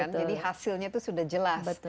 jadi hasilnya itu sudah jelas